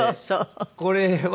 これは。